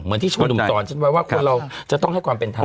เหมือนที่ช่วยดุมตอนฉันไว้ว่าควรเราจะต้องให้ความเป็นทาง